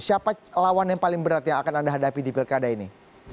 siapa lawan yang paling berat yang akan anda hadapi di pilkada ini